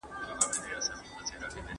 توزنه هيله د خداى د کرمه وتلې ده.